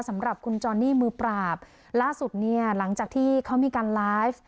สำหรับคุณจอนนี่มือปราบล่าสุดเนี่ยหลังจากที่เขามีการไลฟ์